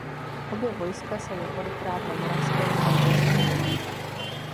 Obě vojska se několikrát na moravské půdě střetla.